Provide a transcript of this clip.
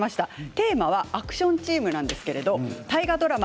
テーマはアクションチームなんですけれども、大河ドラマ